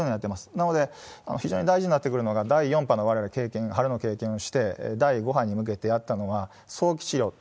なので、非常に大事になってくるのが第４波のわれわれ、経験、春の経験をして、第５波に向けてやったのは、早期治療。